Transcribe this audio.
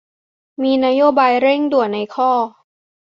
มีนโยบายเร่งด่วนในข้อ